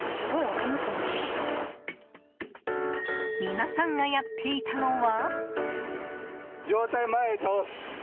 皆さんがやっていたのは。